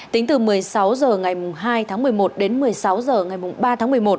tính từ một mươi sáu h ngày hai tháng một mươi một đến một mươi sáu h ngày ba tháng một mươi một